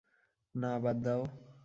না, বাদ দাও।